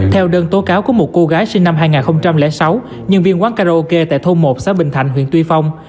theo đơn tố cáo của một cô gái sinh năm hai nghìn sáu nhân viên quán karaoke tại thôn một xã bình thạnh huyện tuy phong